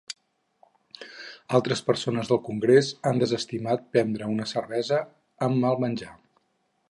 Altres persones del congrés han desestimat prendre una cervesa amb el menjar.